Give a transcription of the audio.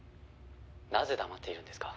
「なぜ黙っているんですか？」